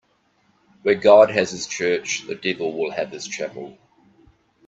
Where God has his church, the devil will have his chapel